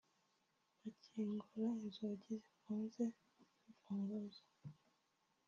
bakingura inzugi zifunze n’imfunguzo